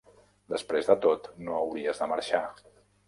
Després de tot, no hauries de marxar.